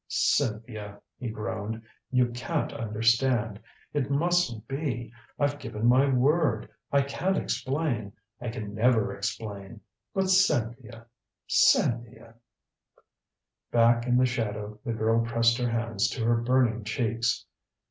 "Cynthia," he groaned, "you can't understand. It mustn't be I've given my word. I can't explain. I can never explain. But Cynthia Cynthia " Back in the shadow the girl pressed her hands to her burning cheeks.